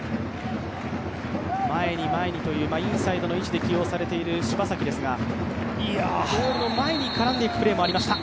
インサイドの位置で起用されている柴崎ですがゴールの前に絡んでくるプレーもありました。